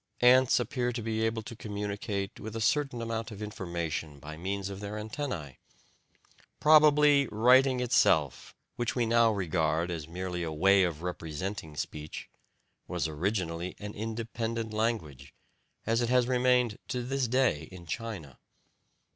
Ants appear to be able to communicate a certain amount of information by means of their antennae. Probably writing itself, which we now regard as merely a way of representing speech, was originally an independent language, as it has remained to this day in China.